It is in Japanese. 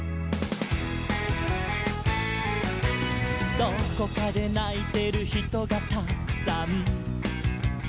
「どこかでないてるひとがたくさん」